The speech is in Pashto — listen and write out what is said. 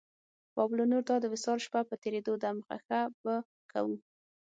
پابلو نوروداد وصال شپه په تېرېدو ده مخه شه به کوو